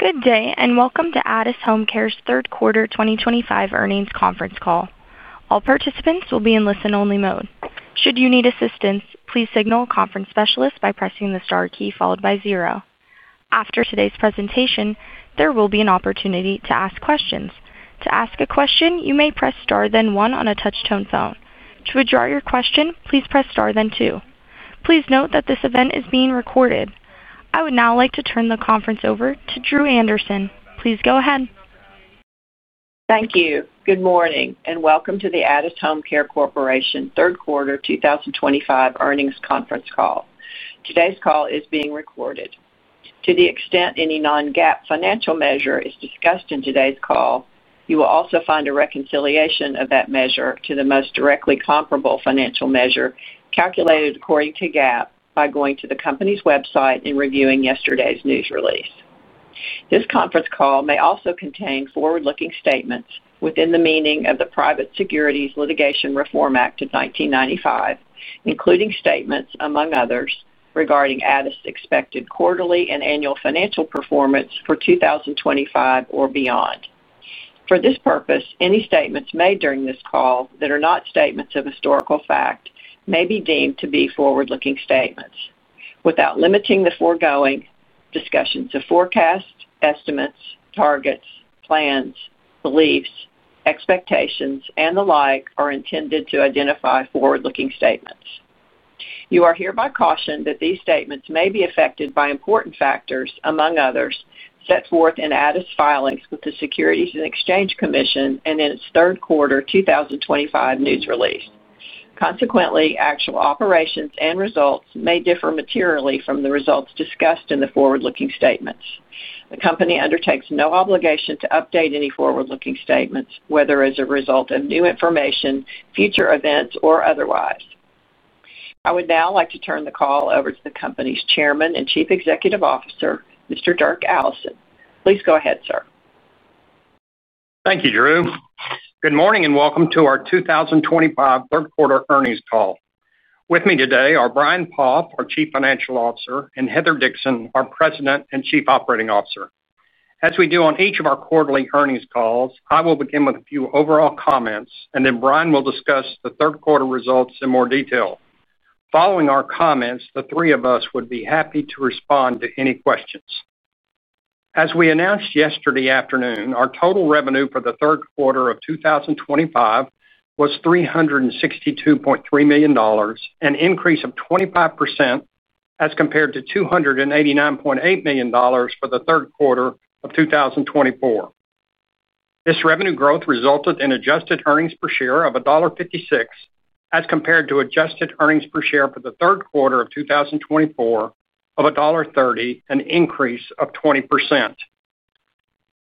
Good day, and welcome to Addus HomeCare's third quarter 2025 earnings conference call. All participants will be in listen-only mode. Should you need assistance, please signal a conference specialist by pressing the star key followed by zero. After today's presentation, there will be an opportunity to ask questions. To ask a question, you may press star then one on a touch-tone phone. To address your question, please press star then two. Please note that this event is being recorded. I would now like to turn the conference over to Dru Anderson. Please go ahead. Thank you. Good morning, and welcome to the Addus HomeCare Corporation third quarter 2025 earnings conference call. Today's call is being recorded. To the extent any non-GAAP financial measure is discussed in today's call, you will also find a reconciliation of that measure to the most directly comparable financial measure calculated according to GAAP by going to the company's website and reviewing yesterday's news release. This conference call may also contain forward-looking statements within the meaning of the Private Securities Litigation Reform Act of 1995, including statements, among others, regarding Addus' expected quarterly and annual financial performance for 2025 or beyond. For this purpose, any statements made during this call that are not statements of historical fact may be deemed to be forward-looking statements. Without limiting the foregoing, discussions of forecasts, estimates, targets, plans, beliefs, expectations, and the like are intended to identify forward-looking statements. You are hereby cautioned that these statements may be affected by important factors, among others, set forth in Addus' filings with the Securities and Exchange Commission and in its third quarter 2025 news release. Consequently, actual operations and results may differ materially from the results discussed in the forward-looking statements. The company undertakes no obligation to update any forward-looking statements, whether as a result of new information, future events, or otherwise. I would now like to turn the call over to the company's chairman and chief executive officer, Mr. Dirk Allison. Please go ahead, sir. Thank you, Dru. Good morning, and welcome to our 2025 third quarter earnings call. With me today are Brian Poff, our Chief Financial Officer, and Heather Dixon, our President and Chief Operating Officer. As we do on each of our quarterly earnings calls, I will begin with a few overall comments, and then Brian will discuss the third quarter results in more detail. Following our comments, the three of us would be happy to respond to any questions. As we announced yesterday afternoon, our total revenue for the third quarter of 2025 was $362.3 million, an increase of 25% as compared to $289.8 million for the third quarter of 2024. This revenue growth resulted in adjusted earnings per share of $1.56 as compared to adjusted earnings per share for the third quarter of 2024 of $1.30, an increase of 20%.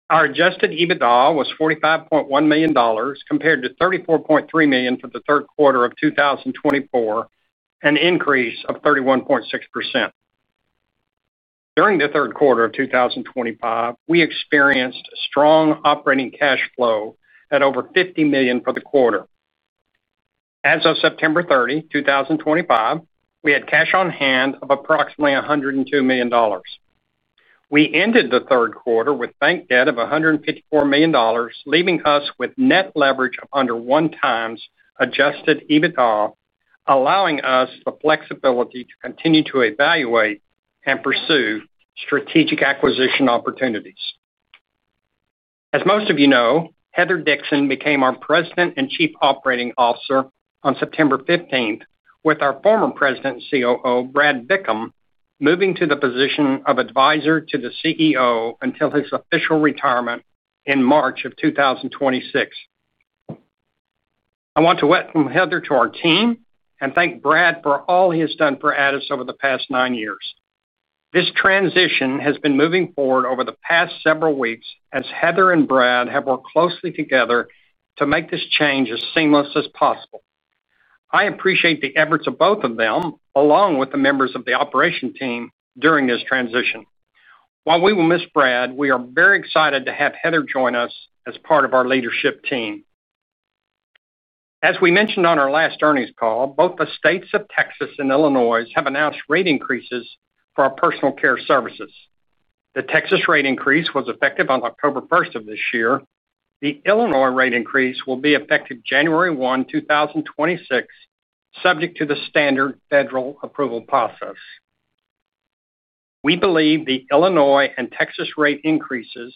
Our Adjusted EBITDA was $45.1 million compared to $34.3 million for the third quarter of 2024, an increase of 31.6%. During the third quarter of 2025, we experienced strong operating cash flow at over $50 million for the quarter. As of September 30, 2025, we had cash on hand of approximately $102 million. We ended the third quarter with bank debt of $154 million, leaving us with net leverage of under 1x Adjusted EBITDA, allowing us the flexibility to continue to evaluate and pursue strategic acquisition opportunities. As most of you know, Heather Dixon became our President and Chief Operating Officer on September 15th, with our former President and COO, Brad Bickham, moving to the position of advisor to the CEO until his official retirement in March of 2026. I want to welcome Heather to our team and thank Brad for all he has done for Addus over the past nine years. This transition has been moving forward over the past several weeks as Heather and Brad have worked closely together to make this change as seamless as possible. I appreciate the efforts of both of them, along with the members of the operations team, during this transition. While we will miss Brad, we are very excited to have Heather join us as part of our leadership team. As we mentioned on our last earnings call, both the states of Texas and Illinois have announced rate increases for Personal Care Services. the Texas rate increase was effective on October 1st of this year. The Illinois rate increase will be effective January 1, 2026, subject to the standard federal approval process. We believe the Illinois and Texas rate increases,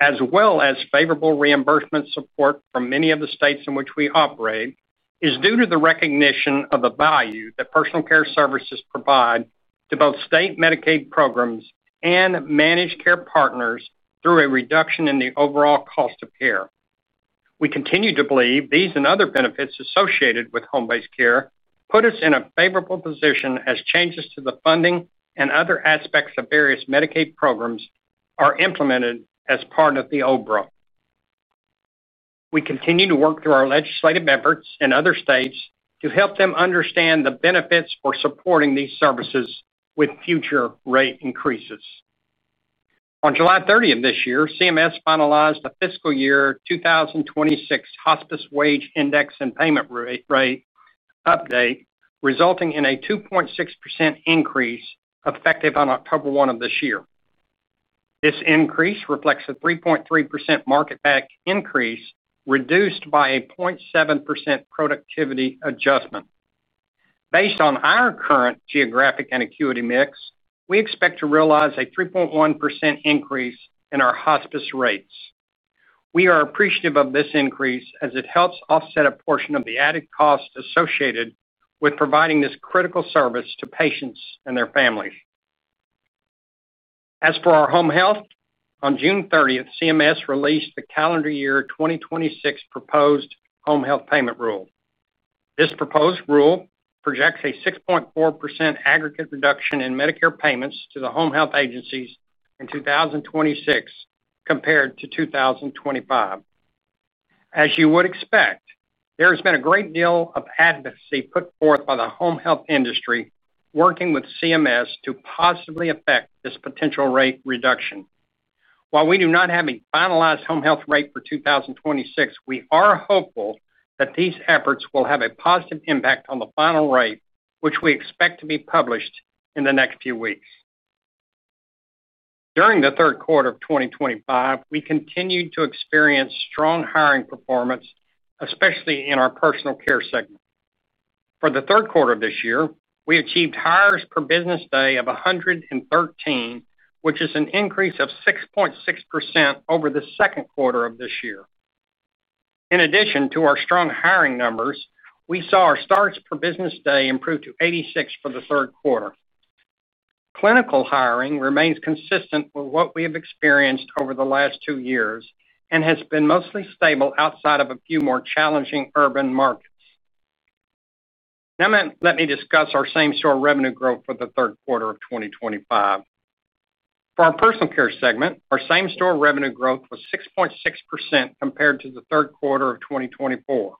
as well as favorable reimbursement support from many of the states in which we operate, is due to the recognition of the value Personal Care Services provide to both state Medicaid programs and managed care partners through a reduction in the overall cost of care. We continue to believe these and other benefits associated with home-based care put us in a favorable position as changes to the funding and other aspects of various Medicaid programs are implemented as part of the OBRA. We continue to work through our legislative efforts in other states to help them understand the benefits for supporting these services with future rate increases. On July 30 of this year, CMS finalized the fiscal year 2026 Hospice Wage Index and payment rate update, resulting in a 2.6% increase effective on October 1 of this year. This increase reflects a 3.3% market basket increase reduced by a 0.7% productivity adjustment. Based on our current geographic and acuity mix, we expect to realize a 3.1% increase in our Hospice rates. We are appreciative of this increase as it helps offset a portion of the added cost associated with providing this critical service to patients and their families. As for our Home Health, on June 30th, CMS released the calendar year 2026 proposed Home Health payment rule. This proposed rule projects a 6.4% aggregate reduction in Medicare payments to the Home Health agencies in 2026 compared to 2025. As you would expect, there has been a great deal of advocacy put forth by the Home Health industry working with CMS to positively affect this potential rate reduction. While we do not have a finalized Home Health rate for 2026, we are hopeful that these efforts will have a positive impact on the final rate, which we expect to be published in the next few weeks. During the third quarter of 2025, we continued to experience strong hiring performance, especially in our Personal Care segment. For the third quarter of this year, we achieved hires per business day of 113, which is an increase of 6.6% over the second quarter of this year. In addition to our strong hiring numbers, we saw our starts per business day improve to 86 for the third quarter. Clinical hiring remains consistent with what we have experienced over the last two years and has been mostly stable outside of a few more challenging urban markets. Now, let me discuss our same-store revenue growth for the third quarter of 2025. For our Personal Care segment, our same-store revenue growth was 6.6% compared to the third quarter of 2024.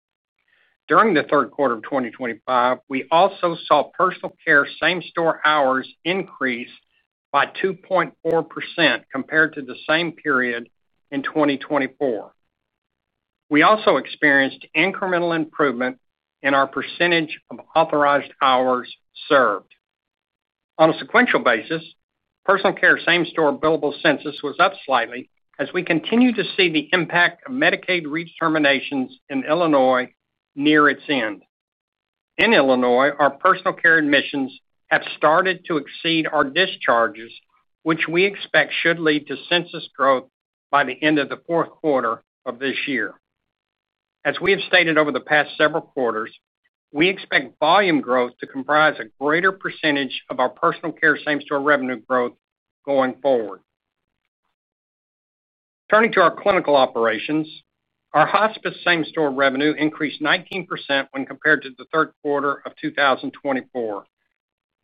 During the third quarter of 2025, we also saw Personal Care same-store hours increase by 2.4% compared to the same period in 2024. We also experienced incremental improvement in our percentage of authorized hours served. On a sequential basis, Personal Care same-store billable census was up slightly as we continue to see the impact of Medicaid redeterminations in Illinois near its end. In Illinois, our Personal Care admissions have started to exceed our discharges, which we expect should lead to census growth by the end of the fourth quarter of this year. As we have stated over the past several quarters, we expect volume growth to comprise a greater percentage of our Personal Care same-store revenue growth going forward. Turning to our clinical operations, our Hospice same-store revenue increased 19% when compared to the third quarter of 2024.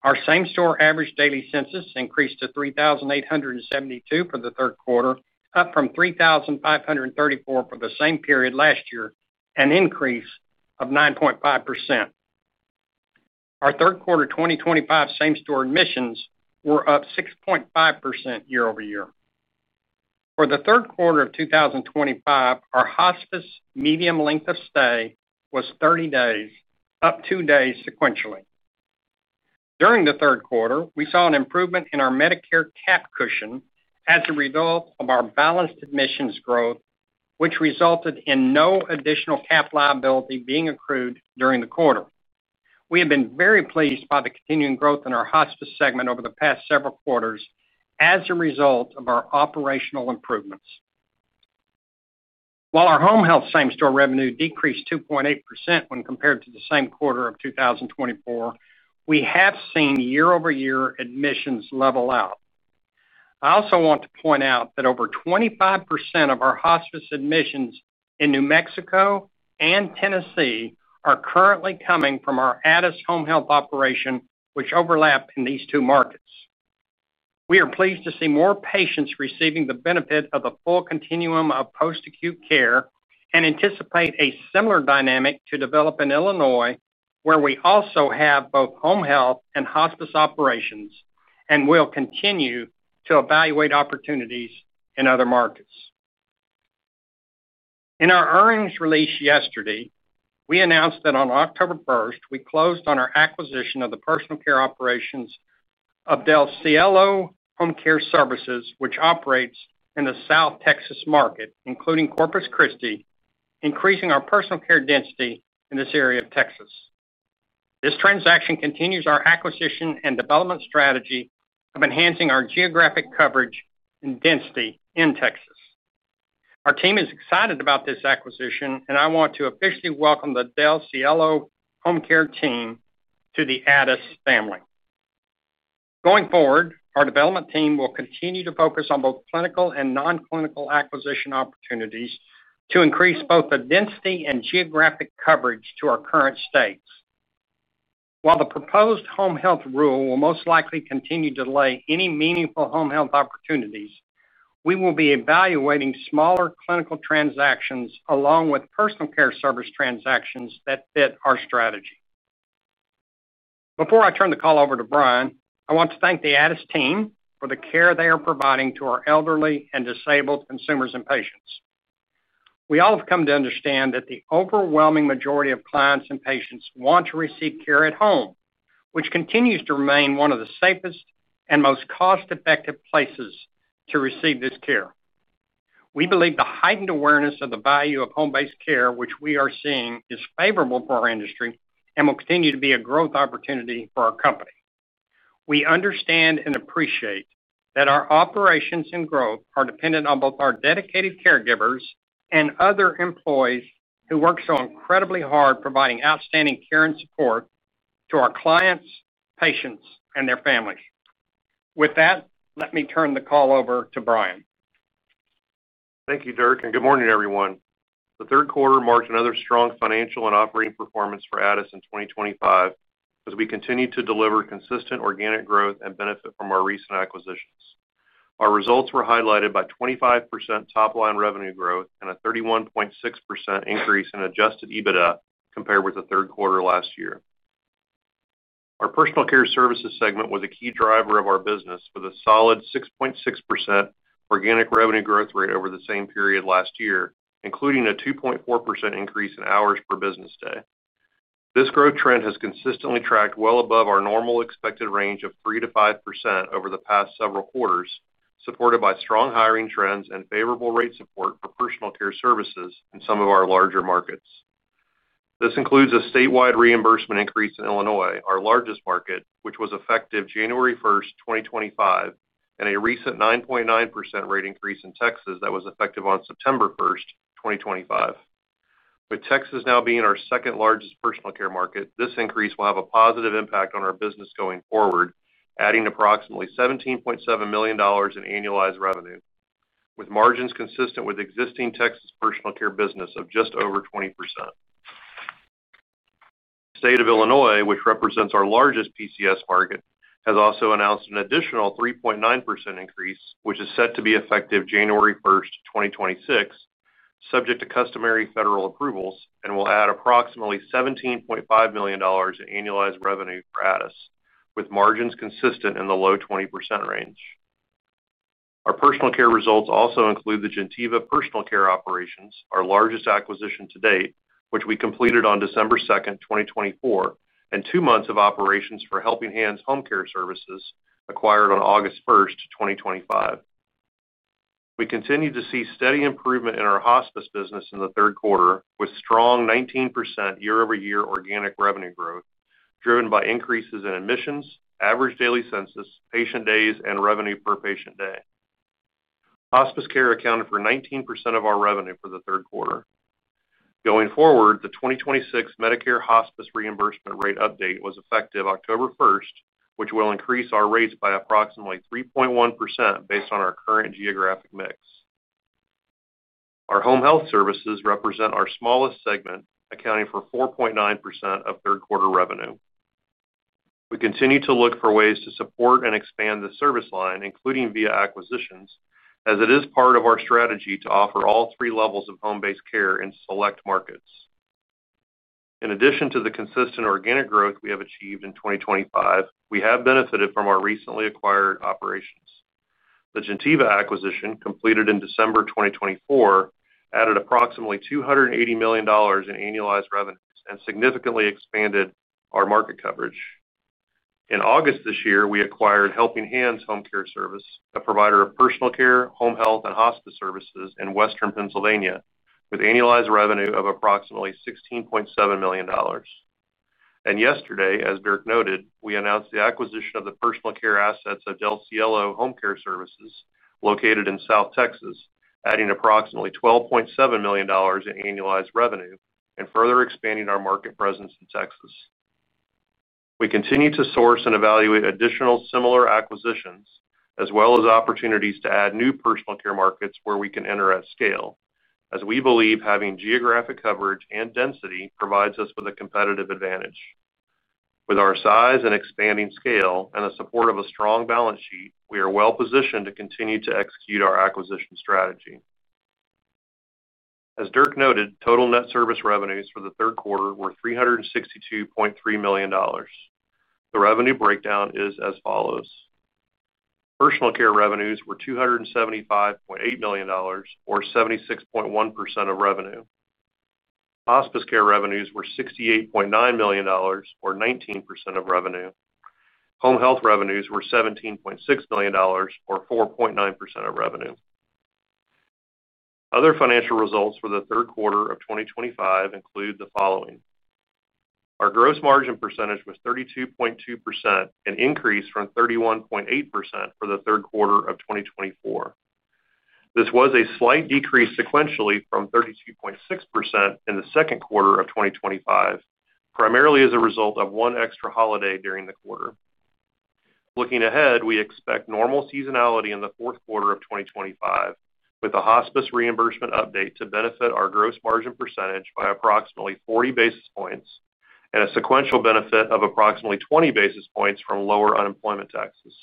Our same-store average daily census increased to 3,872 for the third quarter, up from 3,534 for the same period last year, an increase of 9.5%. Our third quarter 2025 same-store admissions were up 6.5% year-over-year. For the third quarter of 2025, our Hospice medium length of stay was 30 days, up two days sequentially. During the third quarter, we saw an improvement in our Medicare Cap Cushion as a result of our balanced admissions growth, which resulted in no additional cap liability being accrued during the quarter. We have been very pleased by the continuing growth in our Hospice segment over the past several quarters as a result of our operational improvements. While our Home Health same-store revenue decreased 2.8% when compared to the same quarter of 2024, we have seen year-over-year admissions level out. I also want to point out that over 25% of our Hospice admissions in New Mexico and Tennessee are currently coming from our Addus Home Health operation, which overlapped in these two markets. We are pleased to see more patients receiving the benefit of the full continuum of post-acute care and anticipate a similar dynamic to develop in Illinois, where we also have both Home Health and Hospice operations, and we'll continue to evaluate opportunities in other markets. In our earnings release yesterday, we announced that on October 1st we closed on our acquisition of the Personal Care operations of Del Cielo Home Care Services, which operates in the South Texas market, including Corpus Christi, increasing our Personal Care density in this area of Texas. This transaction continues our acquisition and development strategy of enhancing our geographic coverage and density in Texas. Our team is excited about this acquisition, and I want to officially welcome the Del Cielo Home Care team to the Addus family. Going forward, our development team will continue to focus on both clinical and non-clinical acquisition opportunities to increase both the density and geographic coverage to our current states. While the proposed Home Health rule will most likely continue to delay any meaningful Home Health opportunities, we will be evaluating smaller clinical transactions along with Personal Care service transactions that fit our strategy. Before I turn the call over to Brian, I want to thank the Addus team for the care they are providing to our elderly and disabled consumers and patients. We all have come to understand that the overwhelming majority of clients and patients want to receive care at home, which continues to remain one of the safest and most cost-effective places to receive this care. We believe the heightened awareness of the value of home-based care, which we are seeing, is favorable for our industry and will continue to be a growth opportunity for our company. We understand and appreciate that our operations and growth are dependent on both our dedicated caregivers and other employees who work so incredibly hard providing outstanding care and support to our clients, patients, and their families. With that, let me turn the call over to Brian. Thank you, Dirk, and good morning, everyone. The third quarter marked another strong financial and operating performance for Addus in 2025 as we continued to deliver consistent organic growth and benefit from our recent acquisitions. Our results were highlighted by 25% top-line revenue growth and a 31.6% increase in Adjusted EBITDA compared with the third quarter last year. Personal Care Services segment was a key driver of our business with a solid 6.6% organic revenue growth rate over the same period last year, including a 2.4% increase in hours per business day. This growth trend has consistently tracked well above our normal expected range of 3%-5% over the past several quarters, supported by strong hiring trends and favorable rate support Personal Care Services in some of our larger markets. This includes a statewide reimbursement increase in Illinois, our largest market, which was effective January 1st, 2025, and a recent 9.9% rate increase in Texas that was effective on September 1st, 2025. With Texas now being our second-largest Personal Care market, this increase will have a positive impact on our business going forward, adding approximately $17.7 million in annualized revenue, with margins consistent with existing Texas Personal Care business of just over 20%. The state of Illinois, which represents our largest PCS market, has also announced an additional 3.9% increase, which is set to be effective January 1st, 2026. Subject to customary federal approvals, it will add approximately $17.5 million in annualized revenue for Addus, with margins consistent in the low 20% range. Our Personal Care results also include the Gentiva Personal Care operations, our largest acquisition to date, which we completed on December 2nd, 2024, and two months of operations for Helping Hands Home Care Services acquired on August 1st, 2025. We continue to see steady improvement in our Hospice business in the third quarter, with strong 19% year-over-year organic revenue growth driven by increases in admissions, average daily census, patient days, and revenue per patient day. Hospice care accounted for 19% of our revenue for the third quarter. Going forward, the 2026 Medicare Hospice reimbursement rate update was effective October 1st, which will increase our rates by approximately 3.1% based on our current geographic mix. Our Home Health services represent our smallest segment, accounting for 4.9% of third-quarter revenue. We continue to look for ways to support and expand the service line, including via acquisitions, as it is part of our strategy to offer all three levels of home-based care in select markets. In addition to the consistent organic growth we have achieved in 2025, we have benefited from our recently acquired operations. The Gentiva acquisition, completed in December 2024, added approximately $280 million in annualized revenues and significantly expanded our market coverage. In August this year, we acquired Helping Hands Home Care Services, a Home Health and Hospice services in western pennsylvania, with annualized revenue of approximately $16.7 million. And yesterday, as Dirk noted, we announced the acquisition of the Personal Care assets of Del Cielo Home Care Services located in South Texas, adding approximately $12.7 million in annualized revenue and further expanding our market presence in Texas. We continue to source and evaluate additional similar acquisitions, as well as opportunities to add new Personal Care markets where we can enter at scale, as we believe having geographic coverage and density provides us with a competitive advantage. With our size and expanding scale and the support of a strong balance sheet, we are well-positioned to continue to execute our acquisition strategy. As Dirk noted, total net service revenues for the third quarter were $362.3 million. The revenue breakdown is as follows. Personal Care revenues were $275.8 million, or 76.1% of revenue. Hospice care revenues were $68.9 million, or 19% of revenue. Home Health revenues were $17.6 million, or 4.9% of revenue. Other financial results for the third quarter of 2025 include the following. Our gross margin percentage was 32.2%, an increase from 31.8% for the third quarter of 2024. This was a slight decrease sequentially from 32.6% in the second quarter of 2025, primarily as a result of one extra holiday during the quarter. Looking ahead, we expect normal seasonality in the fourth quarter of 2025, with a Hospice reimbursement update to benefit our gross margin percentage by approximately 40 basis points and a sequential benefit of approximately 20 basis points from lower unemployment taxes.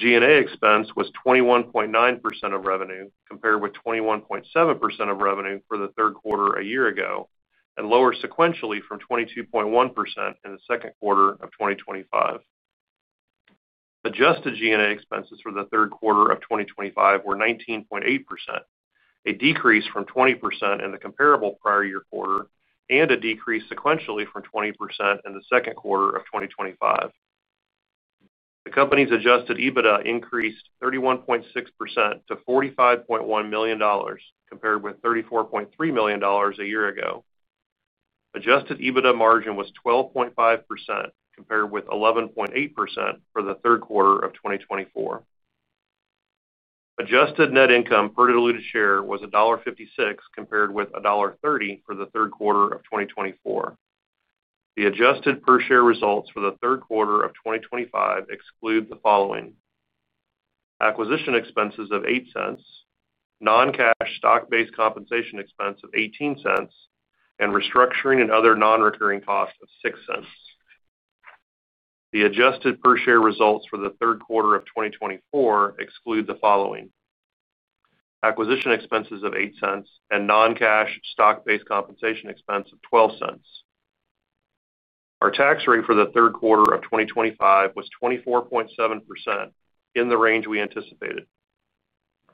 G&A expense was 21.9% of revenue, compared with 21.7% of revenue for the third quarter a year ago, and lower sequentially from 22.1% in the second quarter of 2025. Adjusted G&A expenses for the third quarter of 2025 were 19.8%, a decrease from 20% in the comparable prior year quarter, and a decrease sequentially from 20% in the second quarter of 2025. The company's Adjusted EBITDA increased 31.6% to $45.1 million, compared with $34.3 million a year ago. Adjusted EBITDA margin was 12.5%, compared with 11.8% for the third quarter of 2024. Adjusted net income per diluted share was $1.56, compared with $1.30 for the third quarter of 2024. The adjusted per-share results for the third quarter of 2025 exclude the following. Acquisition expenses of $0.08. Non-cash stock-based compensation expense of $0.18, and restructuring and other non-recurring costs of $0.06. The adjusted per-share results for the third quarter of 2024 exclude the following. Acquisition expenses of $0.08 and non-cash stock-based compensation expense of $0.12. Our tax rate for the third quarter of 2025 was 24.7%, in the range we anticipated.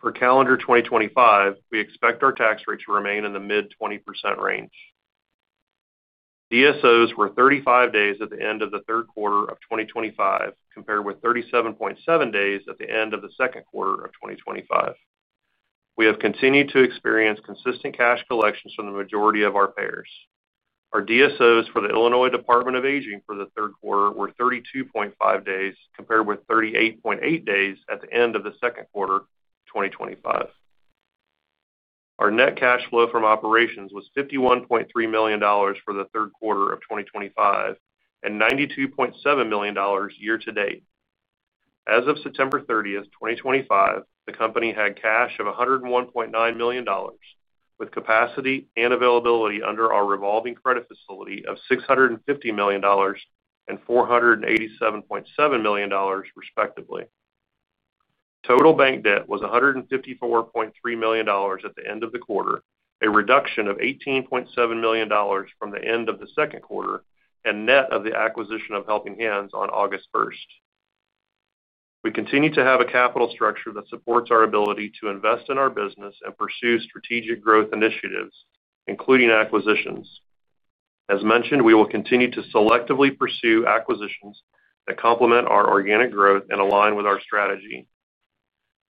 For calendar 2025, we expect our tax rate to remain in the mid-20% range. DSOs were 35 days at the end of the third quarter of 2025, compared with 37.7 days at the end of the second quarter of 2025. We have continued to experience consistent cash collections from the majority of our payers. Our DSOs for the Illinois Department of Aging for the third quarter were 32.5 days, compared with 38.8 days at the end of the second quarter of 2025. Our net cash flow from operations was $51.3 million for the third quarter of 2025 and $92.7 million year-to-date. As of September 30th, 2025, the company had cash of $101.9 million, with capacity and availability under our revolving credit facility of $650 million and $487.7 million, respectively. Total bank debt was $154.3 million at the end of the quarter, a reduction of $18.7 million from the end of the second quarter, and net of the acquisition of Helping Hands on August 1st. We continue to have a capital structure that supports our ability to invest in our business and pursue strategic growth initiatives, including acquisitions. As mentioned, we will continue to selectively pursue acquisitions that complement our organic growth and align with our strategy.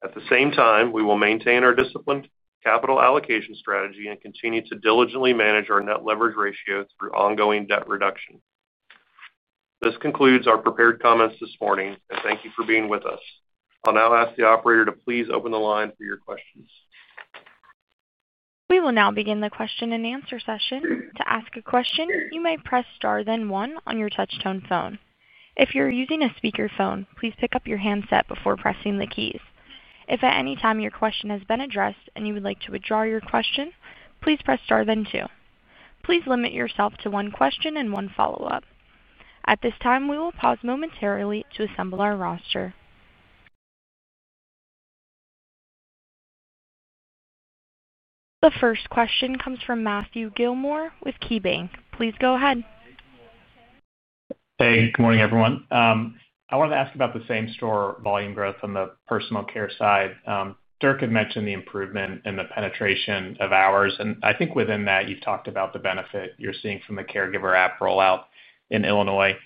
At the same time, we will maintain our disciplined capital allocation strategy and continue to diligently manage our net leverage ratio through ongoing debt reduction. This concludes our prepared comments this morning, and thank you for being with us. I'll now ask the operator to please open the line for your questions. We will now begin the question-and-answer session. To ask a question, you may press star then one on your touch-tone phone. If you're using a speakerphone, please pick up your handset before pressing the keys. If at any time your question has been addressed and you would like to withdraw your question, please press star then two. Please limit yourself to one question and one follow-up. At this time, we will pause momentarily to assemble our roster. The first question comes from Matthew Gilmor with KeyBanc. Please go ahead. Hey. Good morning, everyone. I wanted to ask about the same store volume growth on the Personal Care side. Dirk had mentioned the improvement in the penetration of hours, and I think within that, you've talked about the benefit you're seeing from the Caregiver App rollout in Illinois.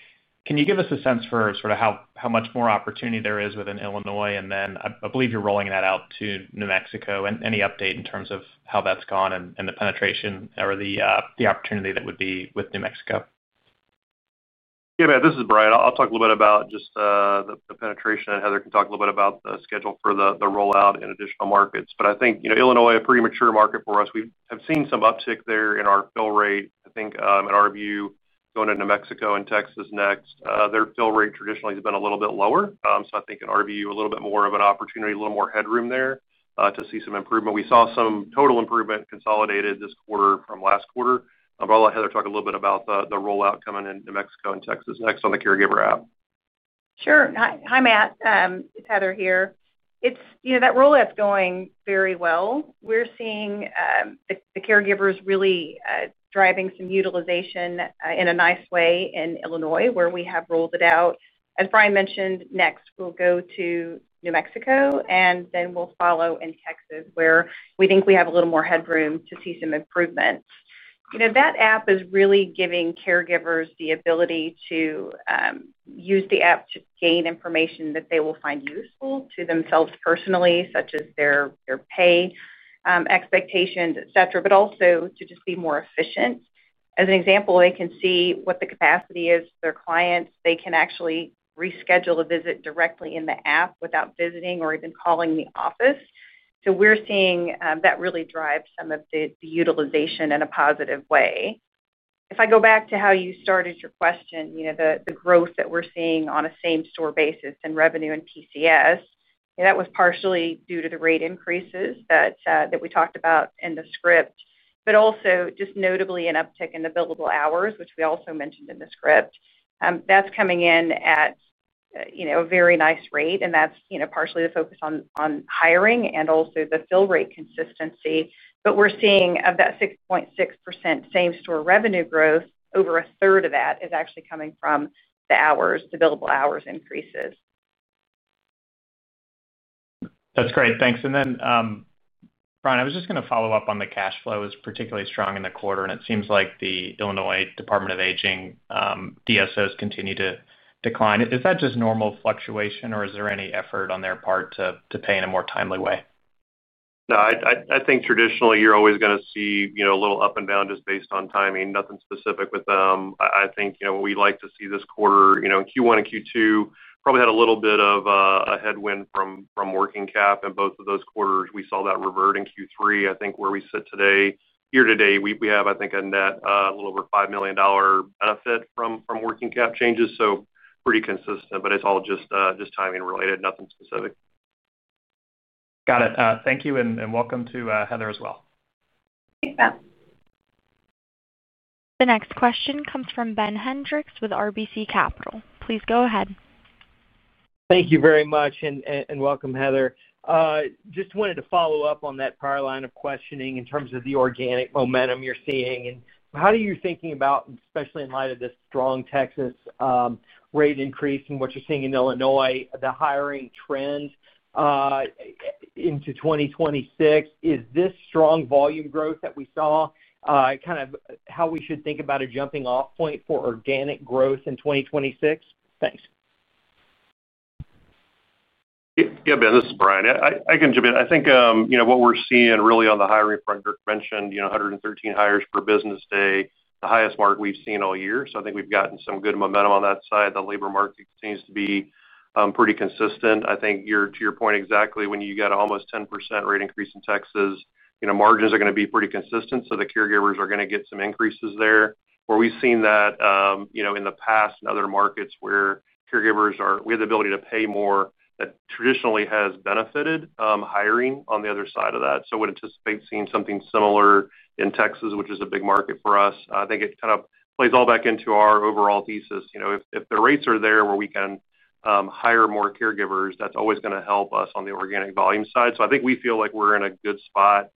Can you give us a sense for sort of how much more opportunity there is within Illinois? And then I believe you're rolling that out to New Mexico. Any update in terms of how that's gone and the penetration or the opportunity that would be with New Mexico? Yeah, man, this is Brian. I'll talk a little bit about just the penetration, and Heather can talk a little bit about the schedule for the rollout in additional markets. But I think Illinois is a premature market for us. We have seen some uptick there in our fill rate. I think in our view, going to New Mexico and Texas next, their fill rate traditionally has been a little bit lower. So I think in our view, a little bit more of an opportunity, a little more headroom there to see some improvement. We saw some total improvement consolidated this quarter from last quarter. But I'll let Heather talk a little bit about the rollout coming in New Mexico and Texas next on the Caregiver App. Sure. Hi, Matt. Heather here. That rollout's going very well. We're seeing the caregivers really driving some utilization in a nice way in Illinois, where we have rolled it out. As Brian mentioned, next, we'll go to New Mexico, and then we'll follow in Texas, where we think we have a little more headroom to see some improvements. That app is really giving caregivers the ability to use the app to gain information that they will find useful to themselves personally, such as their pay expectations, etc., but also to just be more efficient. As an example, they can see what the capacity is for their clients. They can actually reschedule a visit directly in the app without visiting or even calling the office. So we're seeing that really drive some of the utilization in a positive way. If I go back to how you started your question, the growth that we're seeing on a same-store basis in revenue and PCS, that was partially due to the rate increases that we talked about in the script, but also just notably an uptick in the billable hours, which we also mentioned in the script. That's coming in at a very nice rate, and that's partially the focus on hiring and also the fill rate consistency, but we're seeing of that 6.6% same-store revenue growth, over a third of that is actually coming from the hours, the billable hours increases. That's great. Thanks. And then. Brian, I was just going to follow up on the cash flow was particularly strong in the quarter, and it seems like the Illinois Department of Aging DSOs continue to decline. Is that just normal fluctuation, or is there any effort on their part to pay in a more timely way? No, I think traditionally, you're always going to see a little up and down just based on timing. Nothing specific with them. I think we like to see this quarter Q1 and Q2 probably had a little bit of a headwind from Working Cap in both of those quarters. We saw that revert in Q3, I think, where we sit today. Here today, we have, I think, a net a little over $5 million benefit from Working Cap changes. So pretty consistent, but it's all just timing related, nothing specific. Got it. Thank you, and welcome to Heather as well. Thanks, Matt. The next question comes from Ben Hendrix with RBC Capital. Please go ahead. Thank you very much, and welcome, Heather. Just wanted to follow up on that prior line of questioning in terms of the organic momentum you're seeing, and how do you think about, especially in light of this strong Texas rate increase and what you're seeing in Illinois, the hiring trend into 2026? Is this strong volume growth that we saw kind of how we should think about a jumping-off point for organic growth in 2026? Thanks. Yeah, Ben, this is Brian. I can jump in. I think what we're seeing really on the hiring front, Dirk mentioned, 113 hires per business day, the highest mark we've seen all year. So I think we've gotten some good momentum on that side. The labor market continues to be pretty consistent. I think to your point, exactly when you got almost 10% rate increase in Texas, margins are going to be pretty consistent. So the caregivers are going to get some increases there. Where we've seen that in the past in other markets where caregivers are we have the ability to pay more that traditionally has benefited hiring on the other side of that. So I would anticipate seeing something similar in Texas, which is a big market for us. I think it kind of plays all back into our overall thesis. If the rates are there where we can hire more caregivers, that's always going to help us on the organic volume side. So I think we feel like we're in a good spot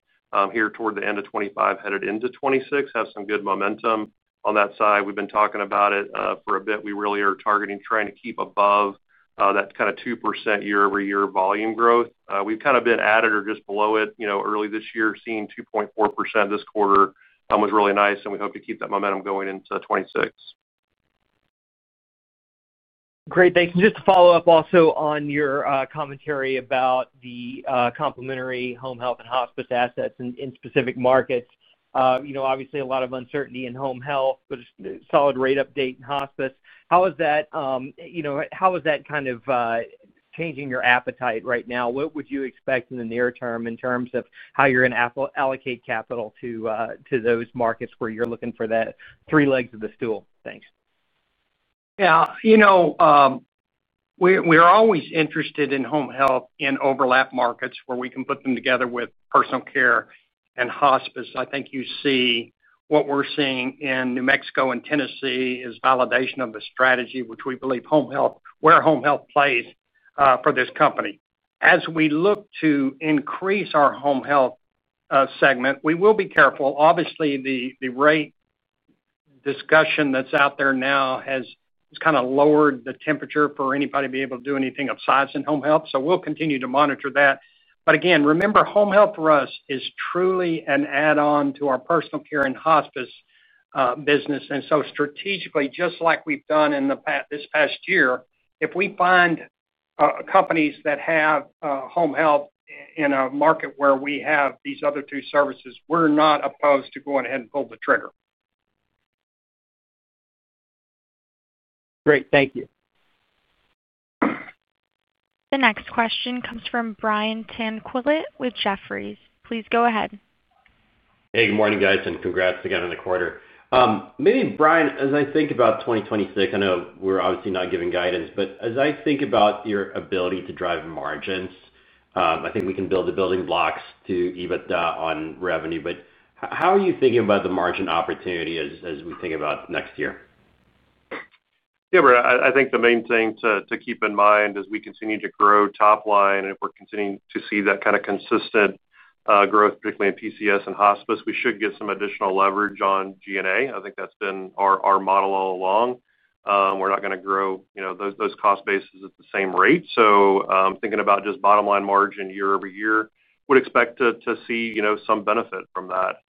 here toward the end of 2025, headed into 2026, have some good momentum on that side. We've been talking about it for a bit. We really are targeting trying to keep above that kind of 2% year-over-year volume growth. We've kind of been at it or just below it early this year, seeing 2.4% this quarter was really nice, and we hope to keep that momentum going into 2026. Great. Thanks. And just to follow up also on your commentary about the complementary Home Health and Hospice assets in specific markets, obviously a lot of uncertainty in Home Health, but a solid rate update in Hospice. How is that kind of changing your appetite right now? What would you expect in the near term in terms of how you're going to allocate capital to those markets where you're looking for that three legs of the stool? Thanks. Yeah. We're always interested in Home Health in overlap markets where we can put them together with Personal Care and Hospice. I think you see what we're seeing in New Mexico and Tennessee is validation of the strategy, which we believe Home Health where Home Health plays for this company. As we look to increase our Home Health segment, we will be careful. Obviously, the rate discussion that's out there now has kind of lowered the temperature for anybody to be able to do anything of size in Home Health. So we'll continue to monitor that. But again, remember, Home Health for us is truly an add-on to our Personal Care and Hospice business. And so strategically, just like we've done in this past year, if we find companies that have Home Health in a market where we have these other two services, we're not opposed to going ahead and pull the trigger. Great. Thank you. The next question comes from Brian Tanquilut with Jefferies. Please go ahead. Hey, good morning, guys, and congrats again on the quarter. Maybe, Brian, as I think about 2026, I know we're obviously not giving guidance, but as I think about your ability to drive margins, I think we can build the building blocks to even on revenue. But how are you thinking about the margin opportunity as we think about next year? Yeah, Brian, I think the main thing to keep in mind as we continue to grow top line, and if we're continuing to see that kind of consistent growth, particularly in PCS and Hospice, we should get some additional leverage on G&A. I think that's been our model all along. We're not going to grow those cost bases at the same rate. So thinking about just bottom line margin year-over-year, we would expect to see some benefit from that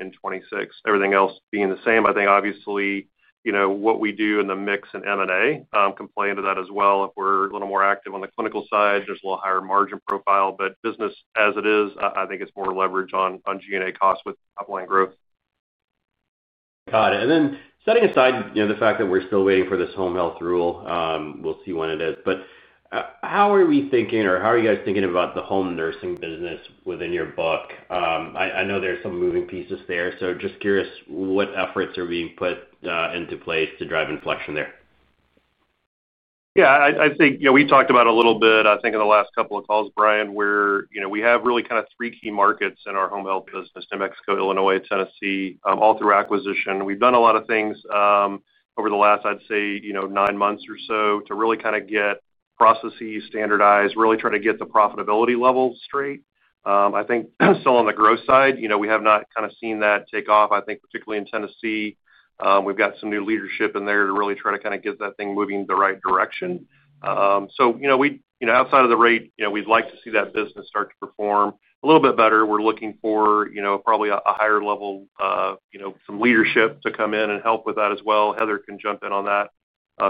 in 2026, everything else being the same. I think, obviously. What we do in the mix in M&A complements that as well. If we're a little more active on the clinical side, there's a little higher margin profile. But business as it is, I think it's more leverage on G&A costs with top-line growth. Got it. And then setting aside the fact that we're still waiting for this Home Health rule, we'll see when it is. But how are we thinking or how are you guys thinking about the home nursing business within your book? I know there's some moving pieces there. So just curious what efforts are being put into place to drive inflection there. Yeah. I think we talked about a little bit, I think, in the last couple of calls, Brian, where we have really kind of three key markets in our Home Health business: New Mexico, Illinois, Tennessee, all through acquisition. We've done a lot of things over the last, I'd say, nine months or so to really kind of get processes standardized, really try to get the profitability level straight. I think still on the growth side, we have not kind of seen that take off. I think particularly in Tennessee, we've got some new leadership in there to really try to kind of get that thing moving in the right direction. So outside of the rate, we'd like to see that business start to perform a little bit better. We're looking for probably a higher level. Some leadership to come in and help with that as well. Heather can jump in on that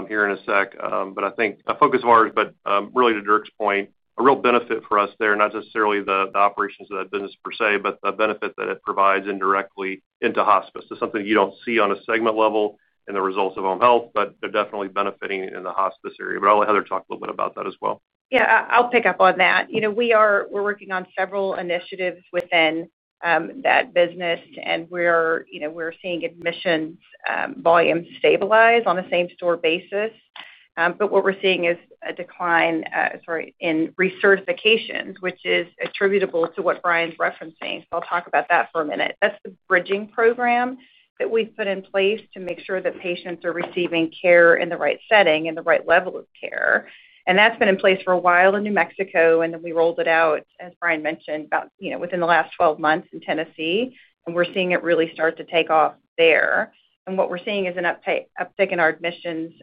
here in a sec. But I think a focus of ours, but really to Dirk's point, a real benefit for us there, not necessarily the operations of that business per se, but the benefit that it provides indirectly into Hospice. It's something you don't see on a segment level in the results of Home Health, but they're definitely benefiting in the Hospice area. But I'll let Heather talk a little bit about that as well. Yeah, I'll pick up on that. We're working on several initiatives within that business, and we're seeing admissions volume stabilize on a same-store basis. But what we're seeing is a decline, sorry, in recertifications, which is attributable to what Brian's referencing. So I'll talk about that for a minute. That's the bridging program that we've put in place to make sure that patients are receiving care in the right setting, in the right level of care. And that's been in place for a while in New Mexico. And then we rolled it out, as Brian mentioned, within the last 12 months in Tennessee. And we're seeing it really start to take off there. And what we're seeing is an uptick in our admissions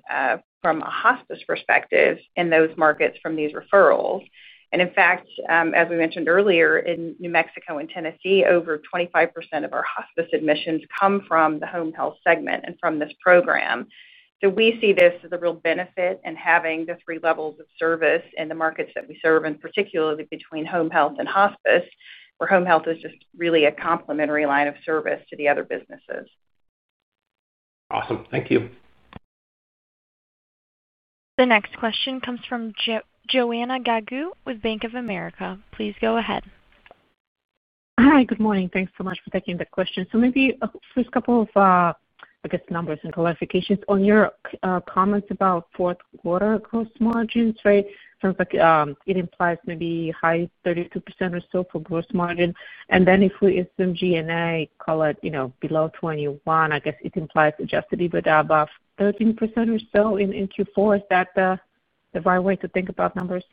from a Hospice perspective in those markets from these referrals. And in fact, as we mentioned earlier, in New Mexico and Tennessee, over 25% of our Hospice admissions come from the Home Health segment and from this program. So we see this as a real benefit in having the three levels of service in the markets that we serve, and particularly between Home Health and Hospice, where Home Health is just really a complementary line of service to the other businesses. Awesome. Thank you. The next question comes from Joanna Gajuk with Bank of America. Please go ahead. Hi, good morning. Thanks so much for taking the question. So maybe first couple of, I guess, numbers and clarifications on your comments about fourth quarter gross margins, right? It implies maybe high 32% or so for gross margin. And then if we assume G&A below 21%, I guess it implies Adjusted EBITDA above 13% or so in Q4. Is that the right way to think about numbers?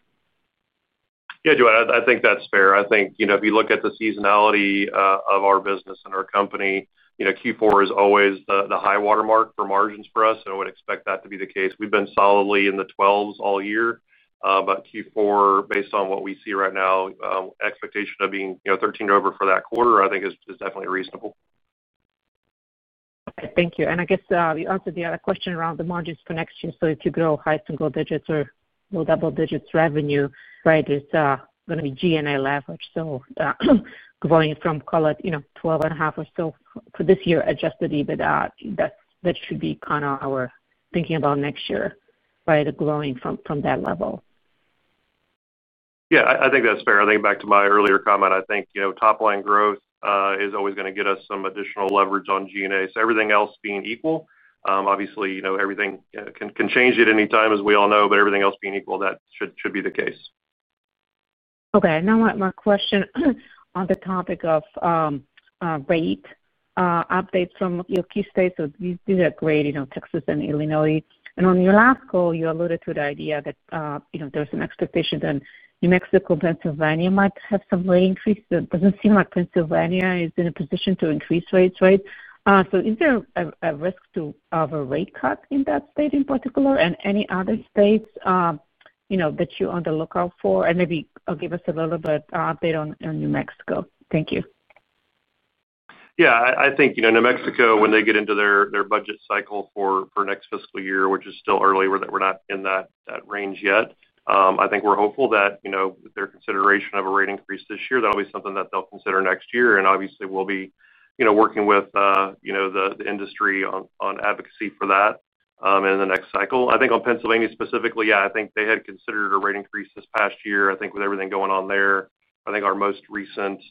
Yeah, Joanna, I think that's fair. I think if you look at the seasonality of our business and our company, Q4 is always the high watermark for margins for us, and I would expect that to be the case. We've been solidly in the 12% all year. But Q4, based on what we see right now, expectation of being 13% or over for that quarter, I think, is definitely reasonable. Okay. Thank you, and I guess you answered the other question around the margins for next year. So if you grow high single digits or low double digits revenue, right, it's going to be G&A leverage. So. Going from call it 12.5% or so for this year, Adjusted EBITDA, that should be kind of our thinking about next year, right, growing from that level. Yeah, I think that's fair. I think back to my earlier comment, I think top-line growth is always going to get us some additional leverage on G&A. So everything else being equal, obviously, everything can change at any time, as we all know, but everything else being equal, that should be the case. Okay. Now, one more question on the topic of rate updates from your key states. So these are great, Texas, and Illinois. And on your last call, you alluded to the idea that there's an expectation that New Mexico and Pennsylvania might have some rate increase. It doesn't seem like Pennsylvania is in a position to increase rates, right? So is there a risk of a rate cut in that state in particular? And any other states that you're on the lookout for? And maybe give us a little bit of update on New Mexico. Thank you. Yeah. I think New Mexico, when they get into their budget cycle for next fiscal year, which is still early, we're not in that range yet. I think we're hopeful that with their consideration of a rate increase this year, that'll be something that they'll consider next year. And obviously, we'll be working with the industry on advocacy for that in the next cycle. I think on Pennsylvania specifically, yeah, I think they had considered a rate increase this past year. I think with everything going on there, I think our most recent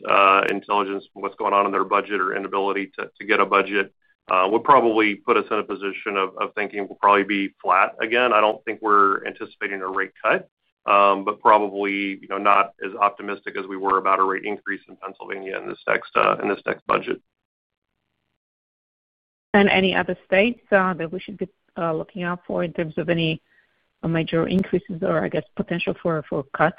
intelligence from what's going on in their budget or inability to get a budget would probably put us in a position of thinking we'll probably be flat again. I don't think we're anticipating a rate cut, but probably not as optimistic as we were about a rate increase in Pennsylvania in this next budget. And any other states that we should be looking out for in terms of any major increases or, I guess, potential for cuts?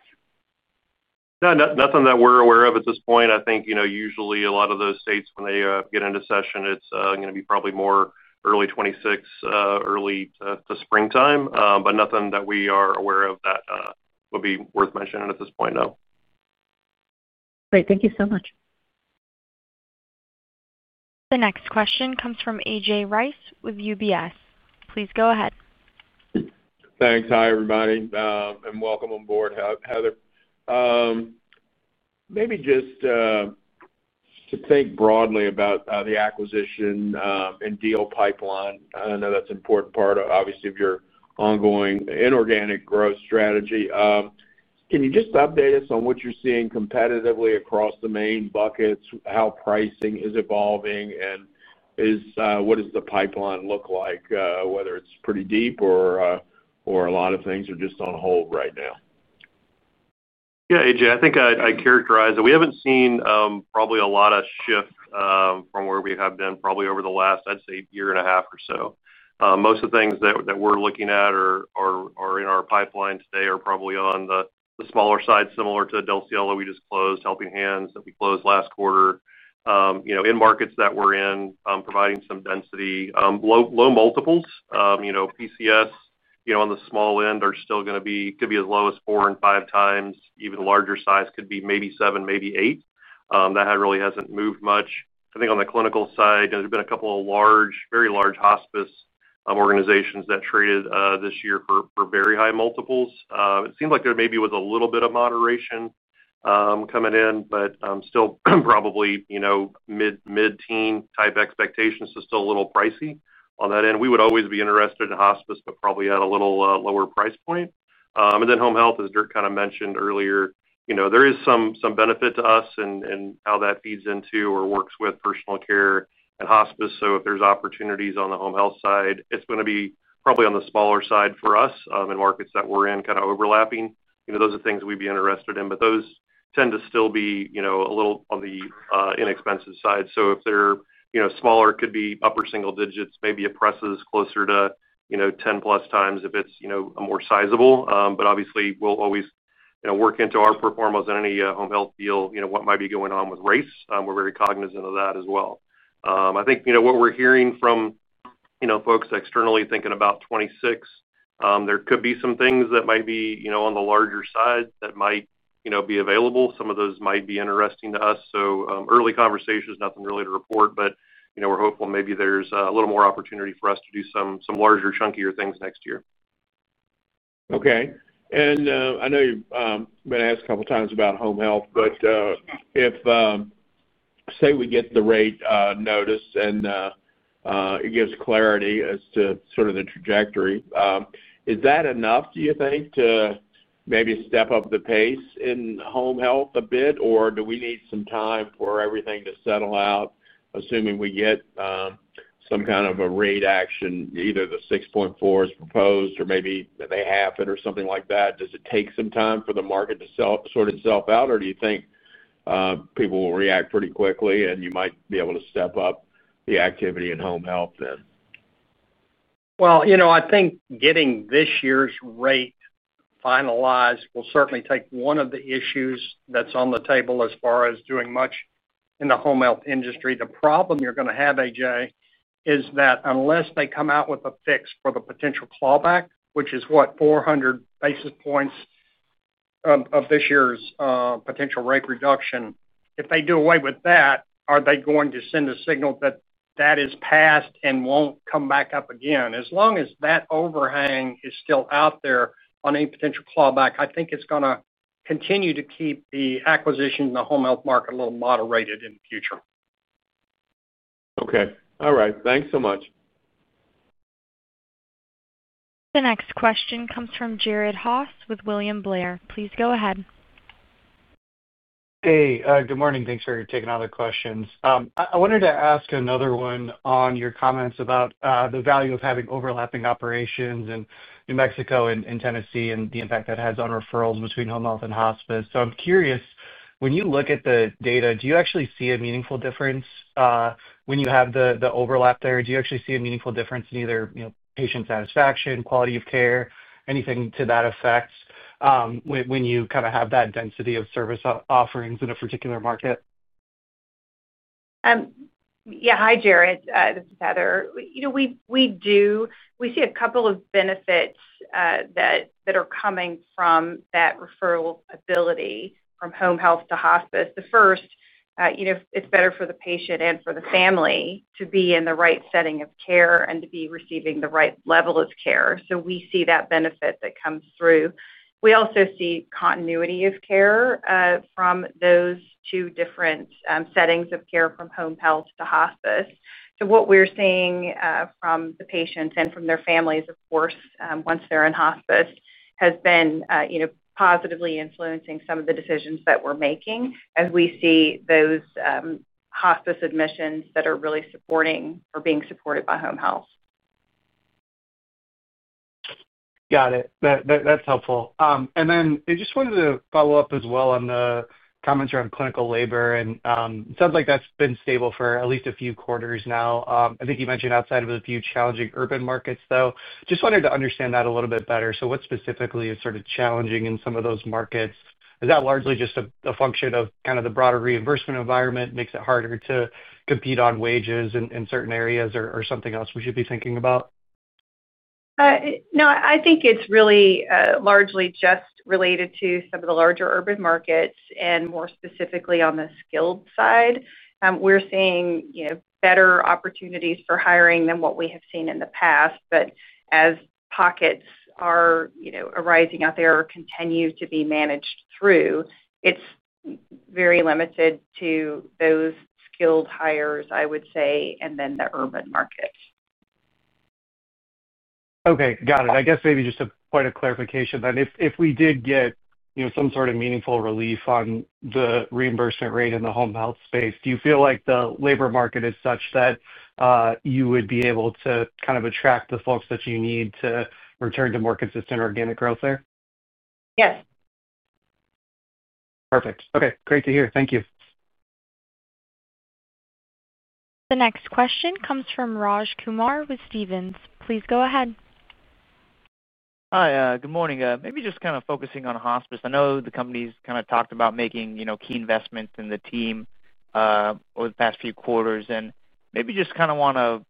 Nothing that we're aware of at this point. I think usually a lot of those states, when they get into session, it's going to be probably more early 2026, early to springtime, but nothing that we are aware of that would be worth mentioning at this point, no. Great. Thank you so much. The next question comes from A.J. Rice with UBS. Please go ahead. Thanks. Hi, everybody and welcome on board, Heather. Maybe just to think broadly about the acquisition and deal pipeline. I know that's an important part, obviously, of your ongoing inorganic growth strategy. Can you just update us on what you're seeing competitively across the main buckets, how pricing is evolving, and what does the pipeline look like, whether it's pretty deep or a lot of things are just on hold right now? Yeah, A.J., I think I characterize it. We haven't seen probably a lot of shift from where we have been probably over the last, I'd say, year and a half or so. Most of the things that we're looking at are in our pipeline today are probably on the smaller side, similar to Del Cielo we just closed, Helping Hands that we closed last quarter. In markets that we're in, providing some density. Low multiples. PCS on the small end are still going to be as low as four and five times. Even larger size could be maybe seven, maybe eight. That really hasn't moved much. I think on the clinical side, there's been a couple of large, very large Hospice organizations that traded this year for very high multiples. It seems like there maybe was a little bit of moderation coming in, but still probably mid-teen type expectations, so still a little pricey on that end. We would always be interested in Hospice, but probably at a little lower price point. And then Home Health, as Dirk kind of mentioned earlier, there is some benefit to us in how that feeds into or works with Personal Care and Hospice. So if there's opportunities on the Home Health side, it's going to be probably on the smaller side for us in markets that we're in, kind of overlapping. Those are things we'd be interested in, but those tend to still be a little on the inexpensive side. So if they're smaller, it could be upper single digits, maybe it presses closer to 10x+ if it's more sizable. But obviously, we'll always work into our performance in any Home Health deal, what might be going on with rate. We're very cognizant of that as well. I think what we're hearing from folks externally thinking about 2026, there could be some things that might be on the larger side that might be available. Some of those might be interesting to us. So early conversations, nothing really to report, but we're hopeful maybe there's a little more opportunity for us to do some larger chunkier things next year. Okay. And I know you've been asked a couple of times about Home Health, but if, say, we get the rate notice and it gives clarity as to sort of the trajectory, is that enough, do you think, to maybe step up the pace in Home Health a bit, or do we need some time for everything to settle out, assuming we get some kind of a rate action, either the 6.4 is proposed or maybe they have it or something like that? Does it take some time for the market to sort itself out, or do you think people will react pretty quickly and you might be able to step up the activity in Home Health then? I think getting this year's rate finalized will certainly take one of the issues that's on the table as far as doing much in the Home Health industry. The problem you're going to have, A.J., is that unless they come out with a fix for the potential clawback, which is what, 400 basis points of this year's potential rate reduction, if they do away with that, are they going to send a signal that that is past and won't come back up again? As long as that overhang is still out there on any potential clawback, I think it's going to continue to keep the acquisition in the Home Health market a little moderated in the future. Okay. All right. Thanks so much. The next question comes from Jared Haase with William Blair. Please go ahead. Hey, good morning. Thanks for taking all the questions. I wanted to ask another one on your comments about the value of having overlapping operations in New Mexico and Tennessee and the impact that has on referrals between Home Health and Hospice. So I'm curious, when you look at the data, do you actually see a meaningful difference? When you have the overlap there? Do you actually see a meaningful difference in either patient satisfaction, quality of care, anything to that effect? When you kind of have that density of service offerings in a particular market? Yeah. Hi, Jared. This is Heather. We see a couple of benefits that are coming from that referral ability from Home Health to Hospice. The first. It's better for the patient and for the family to be in the right setting of care and to be receiving the right level of care. So we see that benefit that comes through. We also see continuity of care from those two different settings of care from Home Health to Hospice. So what we're seeing from the patients and from their families, of course, once they're in Hospice, has been positively influencing some of the decisions that we're making as we see those Hospice admissions that are really supporting or being supported by Home Health. Got it. That's helpful. And then I just wanted to follow up as well on the comments around clinical labor. And it sounds like that's been stable for at least a few quarters now. I think you mentioned outside of a few challenging urban markets, though. Just wanted to understand that a little bit better. So what specifically is sort of challenging in some of those markets? Is that largely just a function of kind of the broader reimbursement environment, makes it harder to compete on wages in certain areas, or something else we should be thinking about? No, I think it's really largely just related to some of the larger urban markets and more specifically on the skilled side. We're seeing better opportunities for hiring than what we have seen in the past. But as pockets are arising out there or continue to be managed through. It's very limited to those skilled hires, I would say, and then the urban markets. Okay. Got it. I guess maybe just a point of clarification that if we did get some sort of meaningful relief on the reimbursement rate in the Home Health space, do you feel like the labor market is such that you would be able to kind of attract the folks that you need to return to more consistent organic growth there? Yes. Perfect. Okay. Great to hear. Thank you. The next question comes from Raj Kumar with Stephens. Please go ahead. Hi. Good morning. Maybe just kind of focusing on Hospice. I know the company's kind of talked about making key investments in the team over the past few quarters. And maybe just kind of want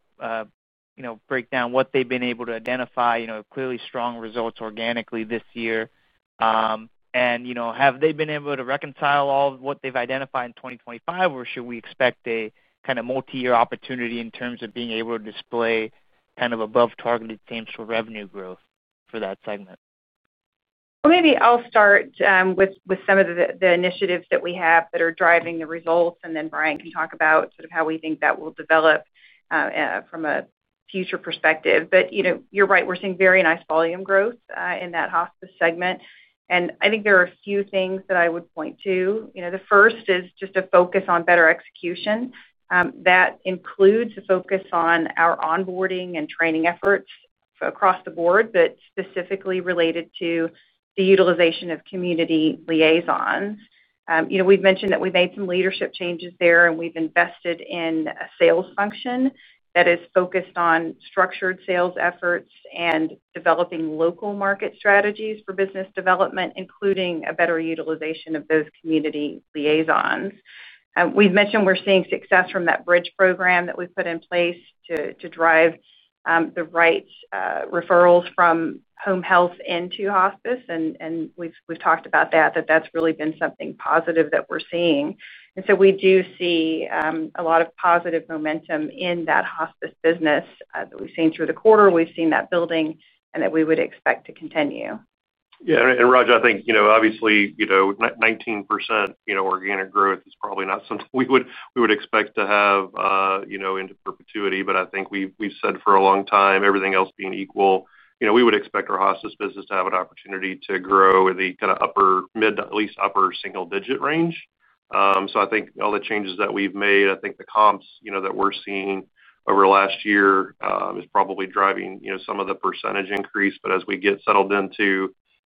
to break down what they've been able to identify, clearly strong results organically this year. And have they been able to reconcile all of what they've identified in 2025, or should we expect a kind of multi-year opportunity in terms of being able to display kind of above-targeted returns for revenue growth for that segment? Well, maybe I'll start with some of the initiatives that we have that are driving the results. And then Brian can talk about sort of how we think that will develop. From a future perspective. But you're right. We're seeing very nice volume growth in that Hospice segment. And I think there are a few things that I would point to. The first is just a focus on better execution. That includes a focus on our onboarding and training efforts across the board, but specifically related to the utilization of Community Liaisons. We've mentioned that we've made some leadership changes there, and we've invested in a sales function that is focused on structured sales efforts and developing local market strategies for business development, including a better utilization of those Community Liaisons. We've mentioned we're seeing success from that Bridge Program that we've put in place to drive the right referrals from Home Health into Hospice. And we've talked about that, that that's really been something positive that we're seeing. And so we do see a lot of positive momentum in that Hospice business that we've seen through the quarter. We've seen that building and that we would expect to continue. Yeah. And, Raj, I think obviously 19% organic growth is probably not something we would expect to have into perpetuity. But I think we've said for a long time, everything else being equal, we would expect our Hospice business to have an opportunity to grow in the kind of upper mid, at least upper single-digit range. So I think all the changes that we've made, I think the comps that we're seeing over last year is probably driving some of the percentage increase. But as we get settled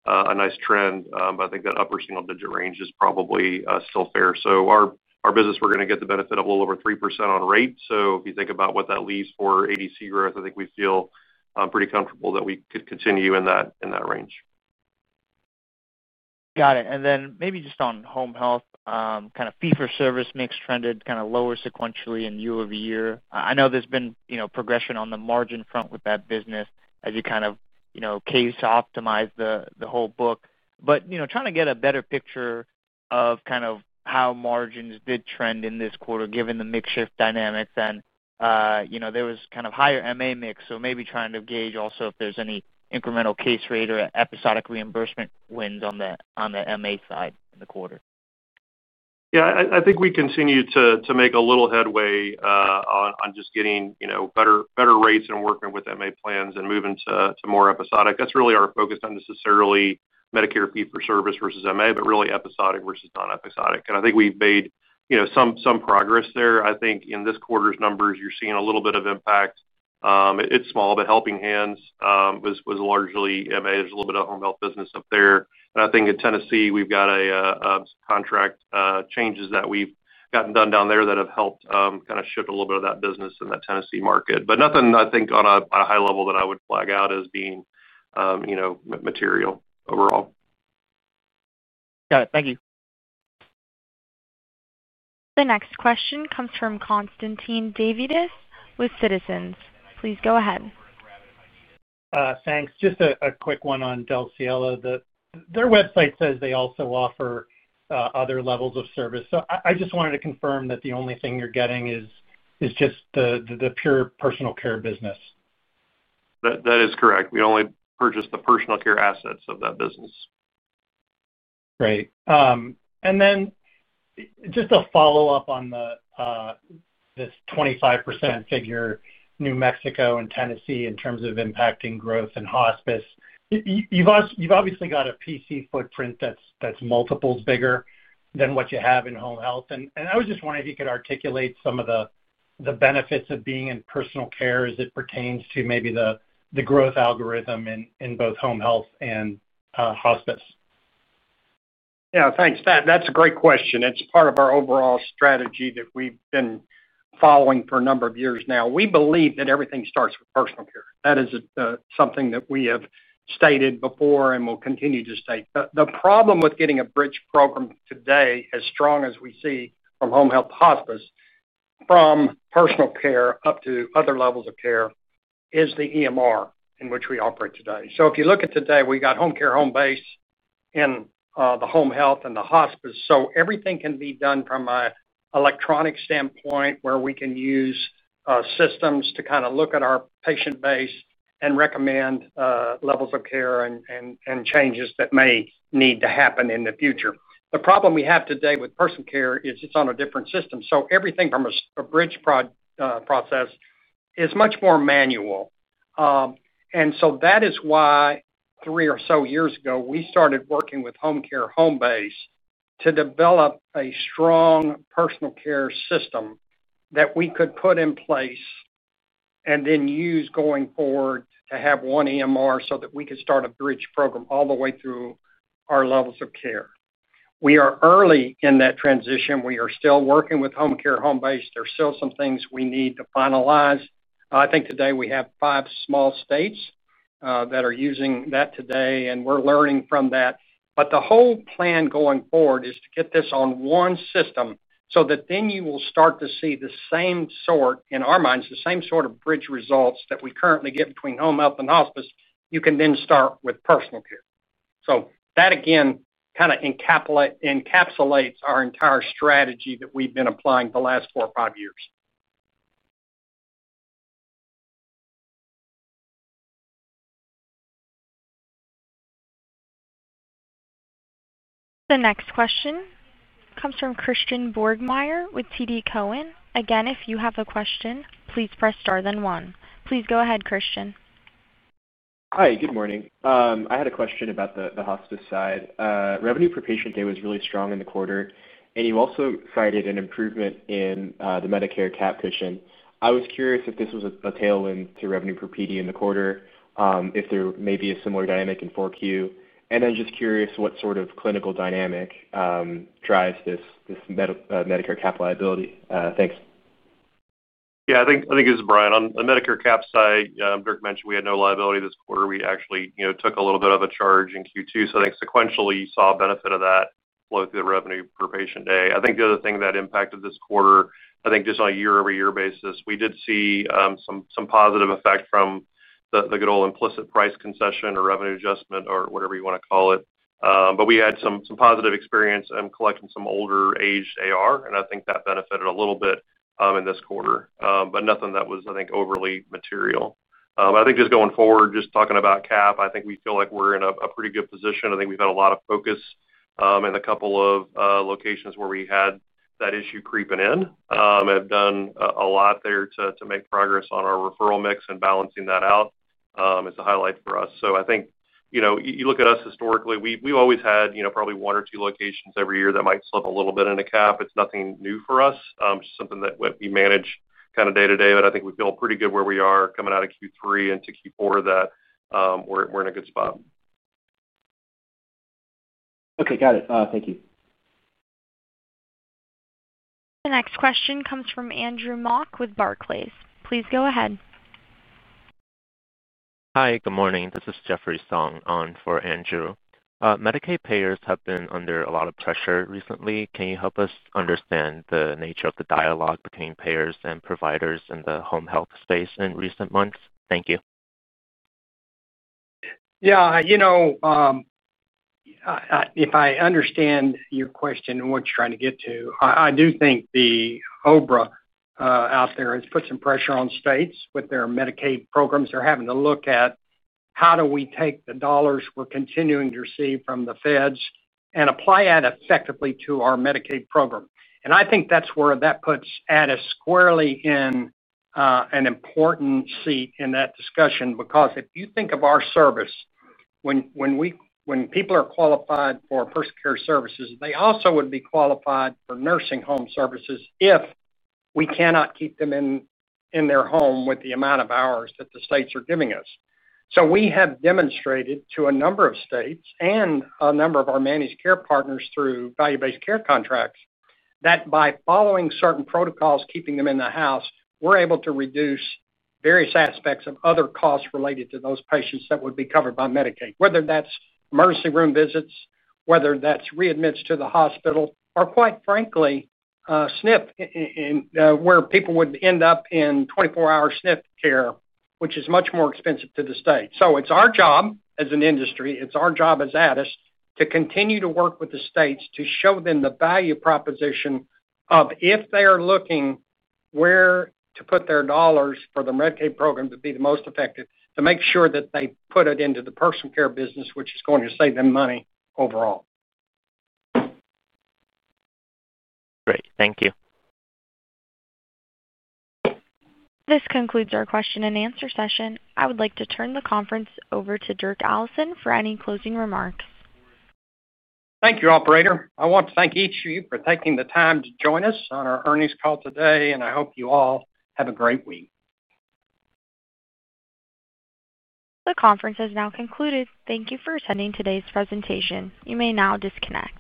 into a nice trend, I think that upper single-digit range is probably still fair. So our business, we're going to get the benefit of a little over 3% on rate. So if you think about what that leaves for ADC growth, I think we feel pretty comfortable that we could continue in that range. Got it. And then maybe just on Home Health, kind of fee-for-service mix trended kind of lower sequentially in year-over-year. I know there's been progression on the margin front with that business as you kind of case optimize the whole book. But trying to get a better picture of kind of how margins did trend in this quarter given the mixture of dynamics. And there was kind of higher MA mix. So maybe trying to gauge also if there's any incremental case rate or episodic reimbursement wins on the MA side in the quarter. Yeah. I think we continue to make a little headway on just getting better rates and working with MA plans and moving to more episodic. That's really our focus, not necessarily Medicare fee-for-service versus MA, but really episodic versus non-episodic. And I think we've made some progress there. I think in this quarter's numbers, you're seeing a little bit of impact. It's small, but Helping Hands was largely MA. There's a little bit of Home Health business up there. And I think in Tennessee, we've got contract changes that we've gotten done down there that have helped kind of shift a little bit of that business in that Tennessee market. But nothing, I think, on a high level that I would flag out as being material overall. Got it. Thank you. The next question comes from Constantine Davides with Citizens. Please go ahead. Thanks. Just a quick one on Del Cielo. Their website says they also offer other levels of service. So I just wanted to confirm that the only thing you're getting is just the pure Personal Care business. That is correct. We only purchase the Personal Care assets of that business. Great. And then, just a follow-up on this 25% figure, New Mexico and Tennessee in terms of impacting growth in Hospice. You've obviously got a PC footprint that's multiples bigger than what you have in Home Health. And I was just wondering if you could articulate some of the benefits of being in Personal Care as it pertains to maybe the growth algorithm in both Home Health and Hospice. Yeah. Thanks. That's a great question. It's part of our overall strategy that we've been following for a number of years now. We believe that everything starts with Personal Care. That is something that we have stated before and will continue to state. The problem with getting a Bridge Program today as strong as we see from Home Health to Hospice, from Personal Care up to other levels of care, is the EMR in which we operate today. So if you look at today, we got Homecare Homebase, and the Home Health and the Hospice. So everything can be done from an electronic standpoint where we can use systems to kind of look at our patient base and recommend levels of care and changes that may need to happen in the future. The problem we have today with Personal Care is it's on a different system. So everything from a bridge process is much more manual. And so that is why three or so years ago, we started working with Homecare Homebase to develop a strong Personal Care system that we could put in place. And then use going forward to have one EMR so that we could start a Bridge Program all the way through our levels of care. We are early in that transition. We are still working with Homecare Homebase. There's still some things we need to finalize. I think today we have five small states that are using that today, and we're learning from that. But the whole plan going forward is to get this on one system so that then you will start to see the same sort, in our minds, the same sort of bridge results that we currently get between Home Health and Hospice, you can then start with Personal Care. So that, again, kind of encapsulates our entire strategy that we've been applying the last four or five years. The next question comes from Christian [Borgmaier] with TD Cowen. Again, if you have a question, please press star then one. Please go ahead, Christian. Hi. Good morning. I had a question about the Hospice side. Revenue per patient day was really strong in the quarter, and you also cited an improvement in the Medicare Cap Cushion. I was curious if this was a tailwind to revenue per PD in the quarter, if there may be a similar dynamic in 4Q. And I'm just curious what sort of clinical dynamic drives this Medicare cap liability. Thanks. Yeah. I think it was Brian. On the Medicare cap side, Dirk mentioned we had no liability this quarter. We actually took a little bit of a charge in Q2. So I think sequentially you saw a benefit of that flow through the revenue per patient day. I think the other thing that impacted this quarter, I think just on a year-over-year basis, we did see some positive effect from the good old Implicit Price Concession or revenue adjustment or whatever you want to call it. But we had some positive experience in collecting some older-aged AR, and I think that benefited a little bit in this quarter, but nothing that was, I think, overly material. I think just going forward, just talking about cap, I think we feel like we're in a pretty good position. I think we've had a lot of focus in a couple of locations where we had that issue creeping in. Have done a lot there to make progress on our referral mix and balancing that out. Is a highlight for us. So I think you look at us historically, we've always had probably one or two locations every year that might slip a little bit in a cap. It's nothing new for us. It's just something that we manage kind of day to day. But I think we feel pretty good where we are coming out of Q3 into Q4 that we're in a good spot. Okay. Got it. Thank you. The next question comes from Andrew Mock with Barclays. Please go ahead. Hi. Good morning. This is Jeffrey Song on for Andrew. Medicaid payers have been under a lot of pressure recently. Can you help us understand the nature of the dialogue between payers and providers in the Home Health space in recent months? Thank you. Yeah. If I understand your question and what you're trying to get to, I do think the OBRA out there has put some pressure on states with their Medicaid programs. They're having to look at how do we take the dollars we're continuing to receive from the feds and apply that effectively to our Medicaid program. And I think that's where that puts Addus clearly in an important seat in that discussion because if you think of our service, when people are qualified Personal Care Services, they also would be qualified for nursing home services if we cannot keep them in their home with the amount of hours that the states are giving us. So we have demonstrated to a number of states and a number of our managed care partners through Value-Based Care Contracts that by following certain protocols, keeping them in the house, we're able to reduce various aspects of other costs related to those patients that would be covered by Medicaid, whether that's emergency room visits, whether that's readmits to the hospital, or quite frankly, SNF, where people would end up in 24-hour SNF care, which is much more expensive to the state. So it's our job as an industry. It's our job as Addus to continue to work with the states to show them the value proposition of if they are looking where to put their dollars for the Medicaid program to be the most effective to make sure that they put it into the Personal Care business, which is going to save them money overall. Great. Thank you. This concludes our question-and-answer session. I would like to turn the conference over to Dirk Allison for any closing remarks. Thank you, operator. I want to thank each of you for taking the time to join us on our earnings call today, and I hope you all have a great week. The conference has now concluded. Thank you for attending today's presentation. You may now disconnect.